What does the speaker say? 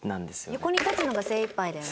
横に立つのが精いっぱいだよね。